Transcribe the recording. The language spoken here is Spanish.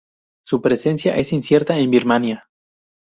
Su presencia es incierta en Birmania.